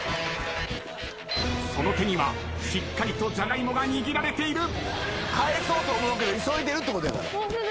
その手にはしっかりとジャガイモが握られている。